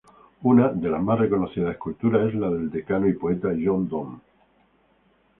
Una de las más reconocidas esculturas es la del decano y poeta, John Donne.